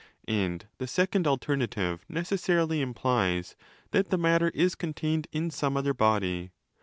And the second alterna tive necessarily implies that the matter is contained in some other body.